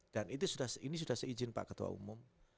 dan ini sudah seijin pak ketua umum